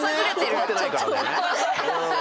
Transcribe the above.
怒ってないからね。